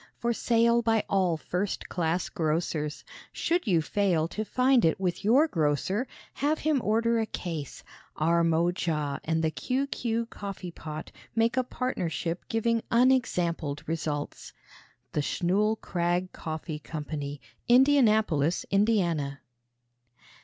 For sale by all first class grocers. Should you fail to find it with your grocer, have him order a case. Ar mo ja and the Q. Q. Coffee Pot make a partnership giving unexampled results. THE SCHNULL KRAG COFFEE CO., INDIANAPOLIS, INDIANA.